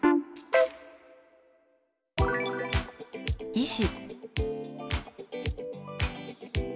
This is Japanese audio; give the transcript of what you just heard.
「医師」。